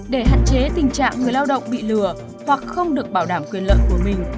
để hạn chế tình trạng người lao động bị lừa hoặc không được bảo đảm quyền lợi của mình